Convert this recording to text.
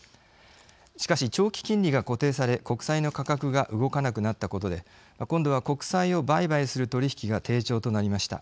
しかし、長期金利が固定され国債の価格が動かなくなったことで今度は、国債を売買する取引が低調となりました。